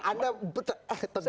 tentu saja terawangan anda